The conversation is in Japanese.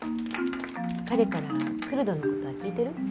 彼からクルドのことは聞いてる？